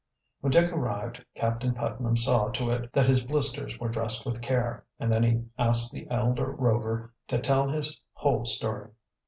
When Dick arrived Captain Putnam saw to it that his blisters were dressed with care, and then he asked the eldest Rover to tell his whole story.